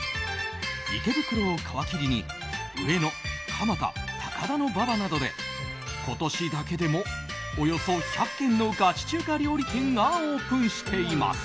池袋を皮切りに上野、蒲田、高田馬場などで今年だけでも、およそ１００軒のガチ中華料理店がオープンしています。